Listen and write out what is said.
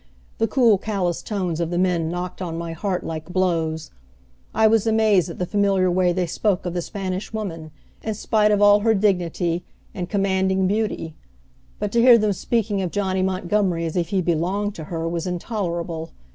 The cool callous tones of the men knocked on my heart like blows. I was amazed at the familiar way they spoke of the Spanish Woman, in spite of all her dignity, and commanding beauty; but to hear them speaking of Johnny Montgomery as if he belonged too her was intolerable.